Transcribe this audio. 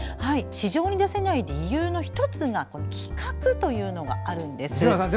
市場に出せない理由の１つに規格というのがあるんです。